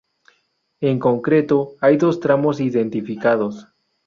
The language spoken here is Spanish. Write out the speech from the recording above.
En concreto hay dos tramos identificados.